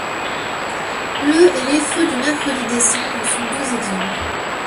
Le et les feux du mercredi des Cendres en sont deux exemples.